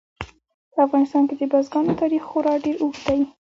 په افغانستان کې د بزګانو تاریخ خورا ډېر اوږد دی.